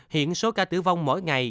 hiện số ca tử vong mỗi ngày